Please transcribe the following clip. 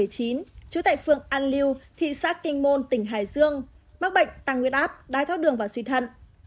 trú tại phương an liêu thị xã kinh môn tỉnh hải dương mắc bệnh tăng nguyên áp đai thóc đường và suy thận